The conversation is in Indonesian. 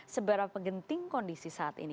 seberapa genting kondisi saat ini